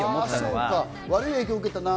そうか、悪い影響を受けたな。